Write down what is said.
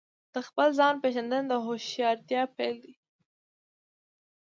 د خپل ځان پېژندنه د هوښیارتیا پیل دی.